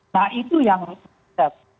nah itu yang harus diketahui